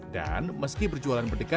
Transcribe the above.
dan meski berjualan berdekatan